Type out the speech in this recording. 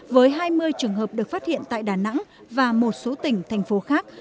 với hai mươi trường hợp được phát hiện tại đà nẵng và một số tỉnh thành phố khác